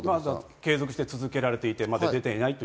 継続して続けられていて、まだ出ていない。